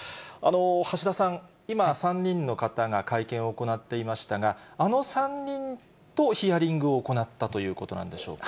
橋田さん、今、３人の方が会見を行っていましたが、あの３人とヒアリングを行ったということなんでしょうか。